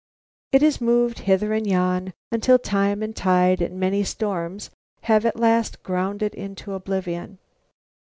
It is moved hither and yon until time and tide and many storms have at last ground it into oblivion.